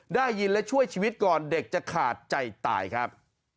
ได้ยินและช่วยชีวิตก่อนเด็กจะขาดใจตายครับ